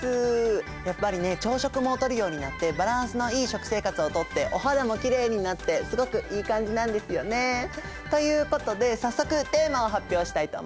やっぱりね朝食もとるようになってバランスのいい食生活をとってお肌もきれいになってすごくいい感じなんですよね。ということで早速テーマを発表したいと思います。